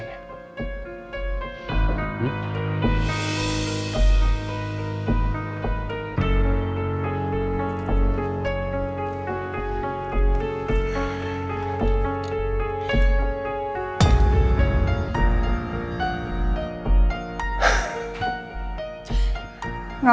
apa yang kamu lakukan